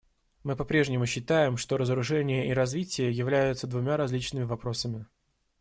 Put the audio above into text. Мы по-прежнему считаем, что разоружение и развитие являются двумя различными вопросами.